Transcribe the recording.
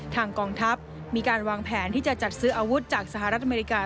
กองทัพมีการวางแผนที่จะจัดซื้ออาวุธจากสหรัฐอเมริกา